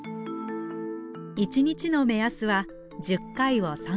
１日の目安は１０回を３セット。